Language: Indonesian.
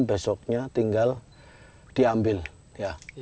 besoknya tinggal diambil ya